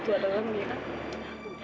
evita gak mau ketawain mama